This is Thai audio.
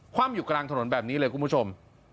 ว่ำอยู่กลางถนนแบบนี้เลยคุณผู้ชม